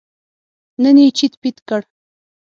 نن یې چیت پیت کړ.